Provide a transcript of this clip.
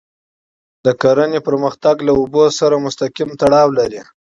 د کرهڼې پرمختګ له اوبو سره مستقیم تړاو لري.